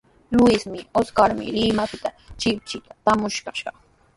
Luiswan Oscarmi Limapita shipshi traayaamushqa.